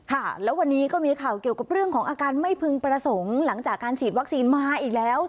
ค่ะแล้ววันนี้ก็มีข่าวเกี่ยวกับเรื่องของอาการไม่พึงประสงค์หลังจากการฉีดวัคซีนมาอีกแล้ว